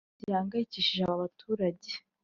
Ikindi gihangayikihishije aba baturage